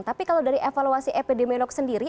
tapi kalau dari evaluasi epidemiolog sendiri